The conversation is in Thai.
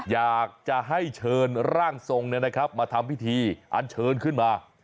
อยากจะให้เชิญร่างทรงมาทำพิธีอันเชิญขึ้นมา